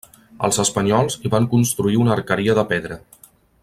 Els espanyols hi van construir una arqueria de pedra.